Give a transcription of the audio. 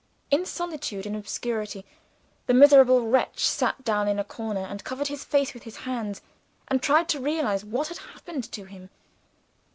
In solitude and obscurity, the miserable wretch sat down in a corner, and covered his face with his hands, and tried to realize what had happened to him.